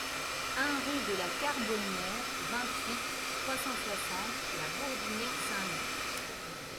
un rue de la Carbonniere, vingt-huit, trois cent soixante, La Bourdinière-Saint-Loup